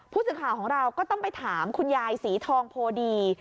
ผู้สื่อข่าวของเราก็ต้องไปถามคุณยายศรีทองโพดี